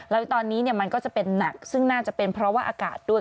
แล้วตอนนี้มันก็จะเป็นหนักซึ่งน่าจะเป็นเพราะว่าอากาศด้วย